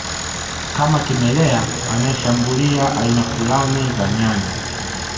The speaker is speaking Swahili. kama kimelea anayeshambulia aina fulani za nyani